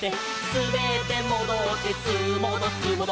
「すべってもどってすーもどすーもど」